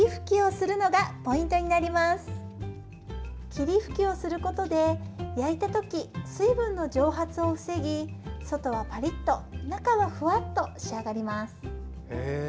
霧吹きをすることで焼いたとき水分の蒸発を防ぎ外はパリッと中はふわっと仕上がります。